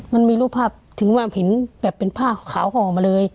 มันมีรูปภาพถึงว่าเห็นแบบเป็นผ้าขาวห่อมาเลย